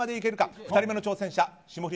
２人目の挑戦者霜降り